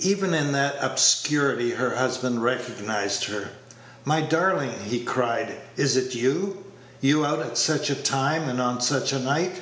Even in that obscurity her husband recognized her. "My darling," he cried, "is it you? You out at such a time, and on such a night!